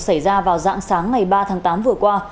xảy ra vào dạng sáng ngày ba tháng tám vừa qua